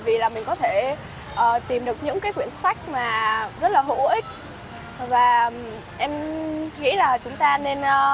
vì là mình có thể tìm được những cái quyển sách mà rất là hữu ích và em nghĩ là chúng ta nên